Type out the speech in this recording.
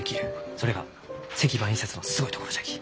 それが石版印刷のすごいところじゃき。